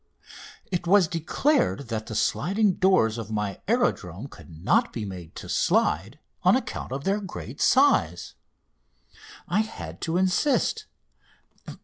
It was declared that the sliding doors of my aerodrome could not be made to slide on account of their great size. I had to insist.